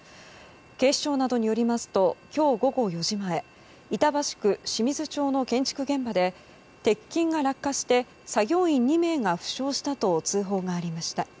警視庁などによりますと今日午後４時前板橋区清水町の建築現場で鉄筋が落下して作業員２名が負傷したと通報がありました。